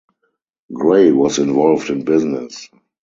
Gray was involved in business.